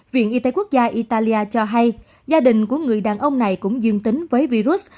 viện y tế quốc gia italia cho hay gia đình của người đàn ông này cũng dương tính với virus